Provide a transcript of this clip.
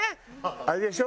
あれでしょ？